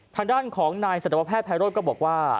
ทางด้านของนายสัตวแพทย์ภัยโรธก็บอกว่า